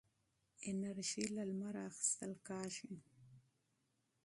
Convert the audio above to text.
انرژي له لمره اخېستل کېږي.